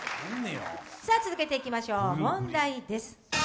続けていきましょう、問題です。